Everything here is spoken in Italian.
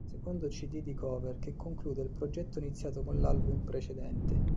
Secondo cd di cover che conclude il progetto iniziato con l'album precedente.